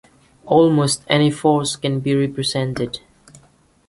Almost any force can be represented.